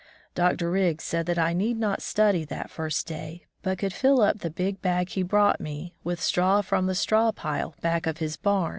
Dr. Riggs said that I need not study that first day, but could fill up the big bag he brought me with straw from the straw pile back of his bam.